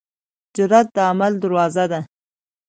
جرئت د عمل دروازه ده.